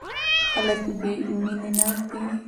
خلک يې مينه ناک دي.